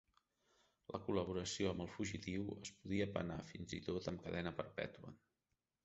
La col·laboració amb el fugitiu es podia penar fins i tot amb cadena perpètua.